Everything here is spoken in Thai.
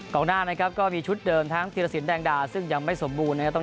หน้านะครับก็มีชุดเดิมทั้งธีรสินแดงดาซึ่งยังไม่สมบูรณ์นะครับ